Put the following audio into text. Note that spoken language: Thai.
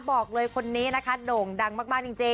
บอกเลยคนนี้นะคะโด่งดังมากจริง